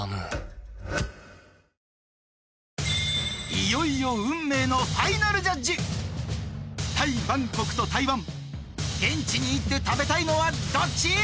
いよいよ運命のファイナルジャッジタイ・バンコクと台湾現地に行って食べたいのはどっち！？